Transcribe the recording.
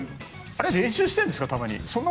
あれは練習してるんですか、たまに。